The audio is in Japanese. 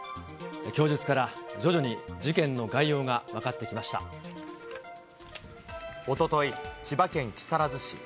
供述から徐々に事件の概要が分かおととい、千葉県木更津市。